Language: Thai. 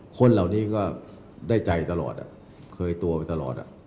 คนเหล่านี้ก็ได้ใจตลอดเคยตัวไปตลอด